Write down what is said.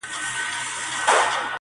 چې د حقیقي حسن ننداره